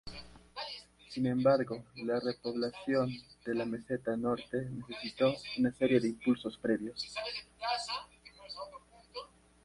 Sin embargo, la repoblación de la meseta norte necesitó una serie de impulsos previos.